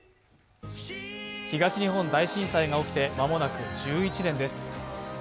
東日本大震災が起きて間もなく１１年です。